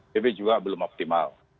pb juga belum optimal